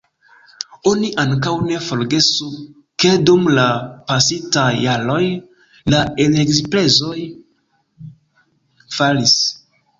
Oni ankaŭ ne forgesu ke dum la pasintaj jaroj la energiprezoj falis.